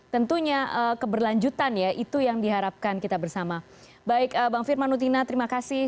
tentunya keberlanjutan ya itu yang diharapkan kita bersama baik bang firmanutina terima kasih